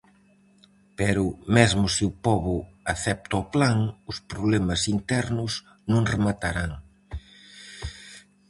Pero mesmo se o pobo acepta o plan, os problemas internos non rematarán.